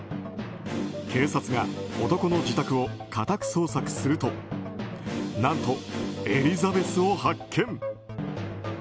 警察が男の自宅を家宅捜索すると何とエリザベスを発見。